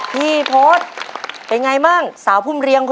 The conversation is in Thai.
พี่โพธเป็นไงบ้างสาวพุ่มเรียง